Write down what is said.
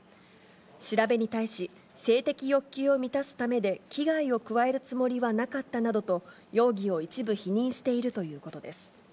調べに対し、性的欲求を満たすためで、危害を加えるつもりはなかったなどと、容疑を一部否認しているということです。